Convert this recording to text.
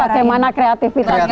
karena bagaimana kreatifitasnya